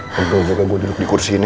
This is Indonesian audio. lo berharap gue duduk di kursi ini